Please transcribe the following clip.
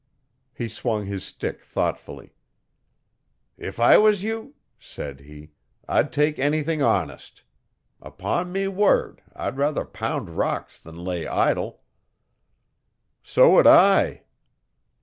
He swung his stick thoughtfully. 'If I was you,' said he, 'I'd take anything honest. Upon me wurred, I'd ruther pound rocks than lay idle.' 'So would I.'